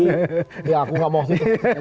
ya aku gak mau